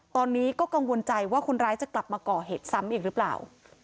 ตอนนี้ก็กังวลใจว่าคนร้ายจะกลับมาก่อเหตุซ้ำอีกหรือเปล่า